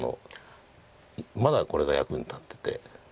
まだこれが役に立ってて。